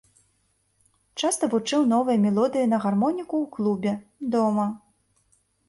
Часта вучыў новыя мелодыі на гармоніку ў клубе, дома.